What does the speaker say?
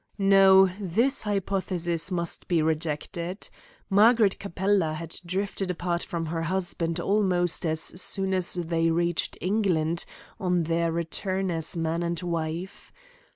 No, this hypothesis must be rejected. Margaret Capella had drifted apart from her husband almost as soon as they reached England on their return as man and wife.